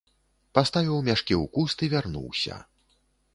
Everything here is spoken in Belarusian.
Паставіў мяшкі ў куст і вярнуўся.